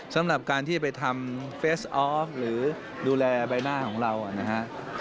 สำหรับการที่ไปทำเฟสออฟหรือดูแลใบหน้าของเรานะฮะ